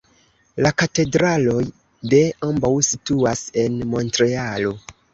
La katedraloj de ambaŭ situas en Montrealo.